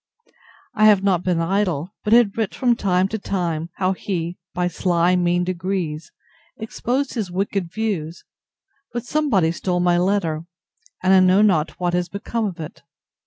I have not been idle; but had writ from time to time, how he, by sly mean degrees, exposed his wicked views; but somebody stole my letter, and I know not what has become of it.